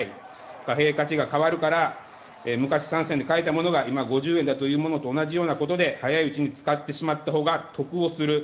貨幣価値が変わるから、昔３銭で買えたものが今５０円だというようなことと同じようなことで早いうちに使ったしまったほうが得をする。